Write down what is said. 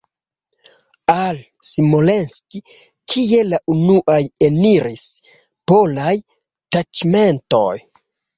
Al Smolensk kiel la unuaj eniris polaj taĉmentoj.